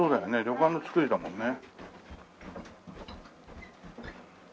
旅館の造りだもんね。